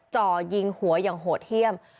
จ่อยิงหัวอย่างโหดเยี่ยม